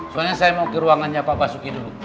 soalnya saya mau ke ruangannya pak basuki dulu